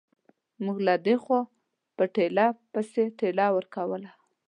موږ له دې خوا په ټېله پسې ټېله ورکوله.